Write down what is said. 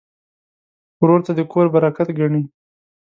ورور ته د کور برکت ګڼې.